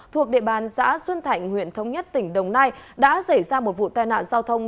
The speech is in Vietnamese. thuộc địa bàn xã xuân thạnh huyện thống nhất tỉnh đồng nai đã xảy ra một vụ tai nạn giao thông